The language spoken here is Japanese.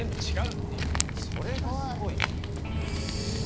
それがすごいわ。